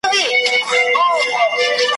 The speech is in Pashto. دغه زما غیور ولس دی,